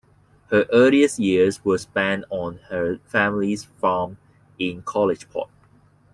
Her earliest years were spent on her family's farm in Collegeport.